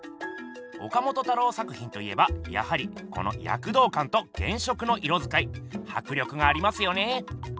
岡本太郎作品と言えばやはりこのやくどうかんと原色の色づかいはく力がありますよね。